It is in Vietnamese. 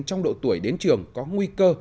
trong độ tuổi đến trường có nguy cơ